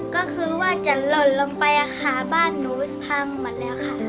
ก็คือว่าจะหล่นลงไปค่ะบ้านหนูพังหมดแล้วค่ะ